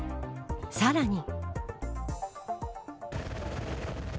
さらに。